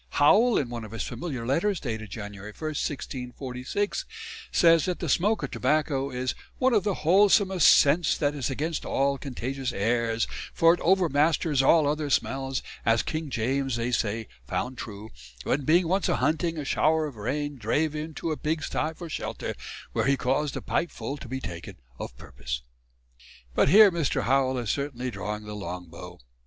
Howell in one of his "Familiar Letters" dated January 1, 1646, says that the smoke of tobacco is "one of the wholesomest sents that is against all contagious airs, for it overmasters all other smells, as King James they say found true, when being once a hunting, a showr of rain drave him into a Pigsty for shelter, wher he caus'd a pipe full to Be taken of purpose." But here Mr. Howell is certainly drawing the long bow.